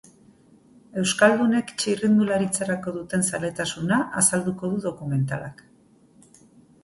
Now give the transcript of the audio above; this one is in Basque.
Euskaldunek txirrindularitzarako duten zaletasuna azalduko du dokumentalak.